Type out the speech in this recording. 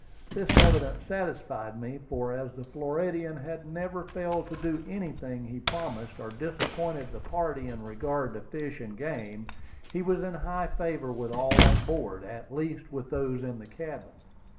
This evidence satisfied me, for as the Floridian had never failed to do anything he promised, or disappointed the party in regard to fish and game, he was in high favor with all on board, at least with those in the cabin.